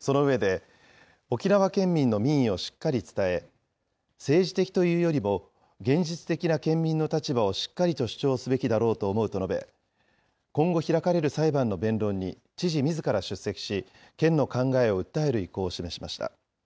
その上で、沖縄県民の民意をしっかり伝え、政治的というよりも現実的な県民の立場をしっかりと主張すべきだろうと思うと述べ、今後開かれる裁判の弁論に、知事みずから出席し、県の考えを訴える意向を示しました。